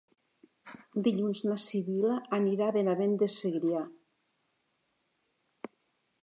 Dilluns na Sibil·la anirà a Benavent de Segrià.